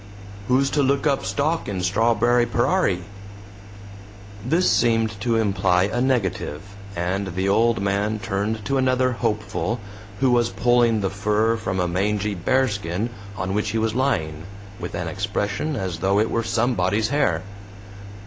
"Who's to look up stock in Strarberry perar ie?" This seemed to imply a negative, and the old man turned to another hopeful, who was pulling the fur from a mangy bearskin on which he was lying, with an expression as though it were somebody's hair.